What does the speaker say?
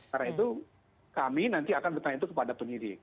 jadi kalau penyidik belum kami nanti akan bertanya itu kepada penyidik